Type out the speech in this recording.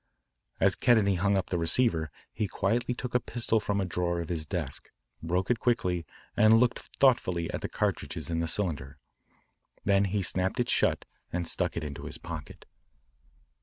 As Kennedy hung up the receiver he quietly took a pistol from a drawer of his desk, broke it quickly, and looked thoughtfully at the cartridges in the cylinder. Then he snapped it shut and stuck it into his pocket.